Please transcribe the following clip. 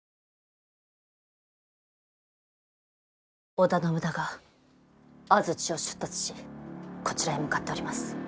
織田信長安土を出立しこちらへ向かっております。